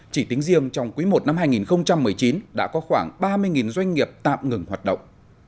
chỉ tính riêng trong quý i năm hai nghìn một mươi chín đã có khoảng ba mươi doanh nghiệp tạm ngừng hoạt động